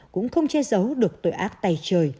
cũng không che giấu được tội ác tay trời